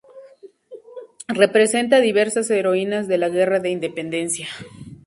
Representa diversas heroínas de la guerra de independencia.